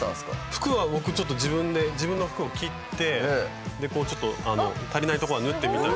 服は僕ちょっと自分で自分の服を切ってでこうちょっと足りないとこは縫ってみたりとか。